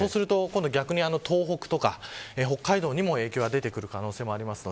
逆に東北とか北海道にも影響が出てくる可能性もあります。